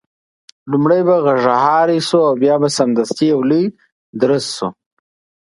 لومړی به غږهارۍ شو او بیا به سمدستي یو لوی درز شو.